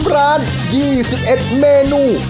ร้าน๒๑เมนู